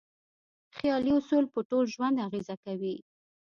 خیالي اصول په ټول ژوند اغېزه کوي.